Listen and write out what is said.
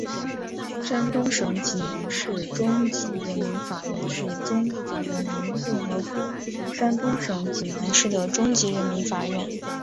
山东省济南市中级人民法院是中华人民共和国山东省济南市的中级人民法院。